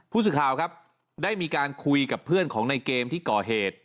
ผู้สื่อข่าวครับได้มีการคุยกับเพื่อนของในเกมที่ก่อเหตุ